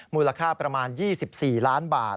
มูลค่าประมาณ๒๔ล้านบาท